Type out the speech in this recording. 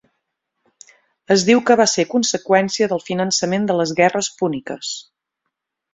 Es diu que va ser conseqüència del finançament de les Guerres Púniques.